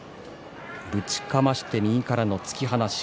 ぶちかまして右からの突き放し。